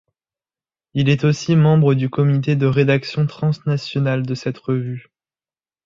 Il est aussi membre du comité de rédaction transnational de cette revue.